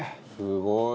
「すごい！」